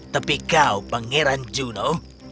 tapi kau pangeran juno